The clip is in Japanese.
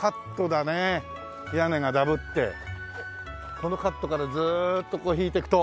このカットからずーっとこう引いてくと。